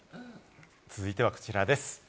続いてはこちらです。